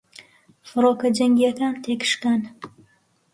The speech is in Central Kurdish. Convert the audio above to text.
فڕۆکە جەنگیەکان تێکشکان